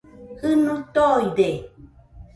Jɨnui toide